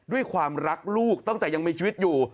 ด้วยความรักลูกตั้งแต่ยังมีชีวิตอยู่